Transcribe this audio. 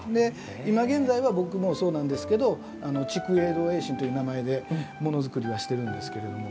今現在は僕もそうなんですけど竹影堂栄真という名前でものづくりはしてるんですけれども。